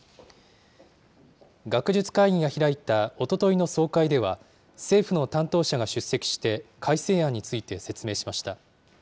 学術会議が開いたおとといの総会では、政府の担当者が出席して改正案について説明しました。